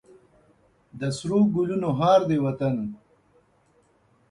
د سرو ګلونو هار دی وطن.